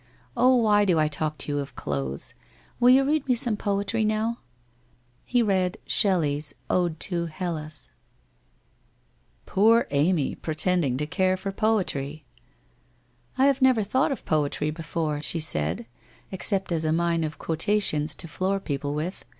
Oh, why do I talk to you of clothes ! Will you read me some poetry now?' He read Sh. ll. v's 'Ode to Hellas.' 254 WHITE ROSE OF WEARY LEAF ' Poor Amy, pretending to care for poetry !'' I have never thought of poetry before/ she said, ' ex cept as a mine of quotations to floor people with.